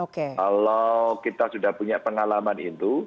kalau kita sudah punya pengalaman itu